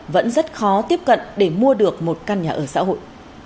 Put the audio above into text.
vẫn rất khó tiếp cận để mua được một căn nhà ở xã hội